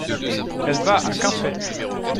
Elle va à Quimper.